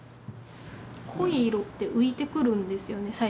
濃い色って浮いてくるんですよね。